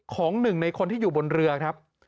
ของหนึ่งในคนที่อยู่บนเรือครับ